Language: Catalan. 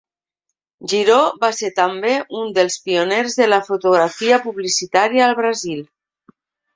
Giró va ser també un dels pioners de la fotografia publicitària al Brasil.